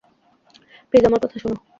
Please, আমার কথা শুনো!